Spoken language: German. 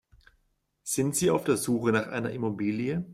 Sind Sie auf der Suche nach einer Immobilie?